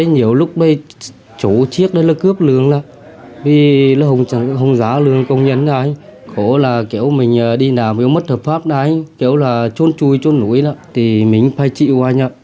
nếu không có thợ pháp trốn chui trốn núi thì mình phải chịu anh ạ